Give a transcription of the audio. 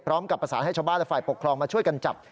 ประสานให้ชาวบ้านและฝ่ายปกครองมาช่วยกันจับ